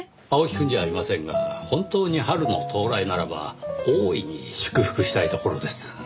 青木くんじゃありませんが本当に春の到来ならば大いに祝福したいところです。